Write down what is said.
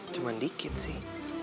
cuman dikit sih